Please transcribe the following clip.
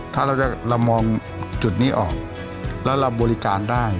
ถ้าเรามองจุดนี้ออกและรับบริการได้